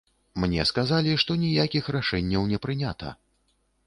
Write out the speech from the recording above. Мне сказалі, што ніякіх рашэнняў не прынята.